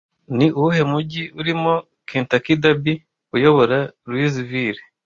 Ni uwuhe mujyi urimo Kentucky Derby uyobora Louisville